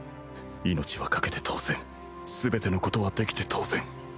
命はかけて当然全てのことはできて当然